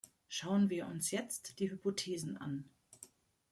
Schauen wir uns jetzt die Hypothesen an.